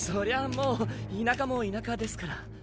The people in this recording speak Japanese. もう田舎も田舎ですから。